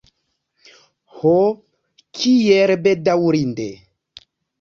Ho, kiel bedaŭrinde!